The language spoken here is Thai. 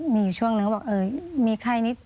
มีช่วงหนึ่งเขาบอก